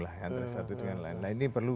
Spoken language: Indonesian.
lah antara satu dengan lain nah ini perlu